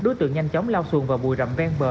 đối tượng nhanh chóng lao xuống vào bùi rậm ven bờ